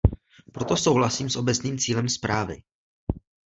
Proto souhlasím s obecným cílem zprávy.